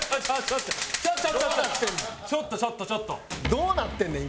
どうなってんねん？